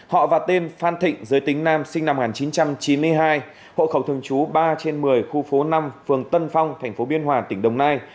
họ và tên phan thịnh giới tính nam sinh năm một nghìn chín trăm chín mươi hai hộ khẩu thường trú ba trên một mươi khu phố năm phường tân phong tp biên hòa tỉnh đồng nai